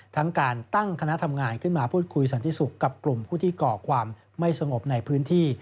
ทั้งการตั้งคณะทำงานขึ้นมาพูดคุยสันติสุขกับกลุ่มผู้ที่ก่อความไม่สงบในพื้นที่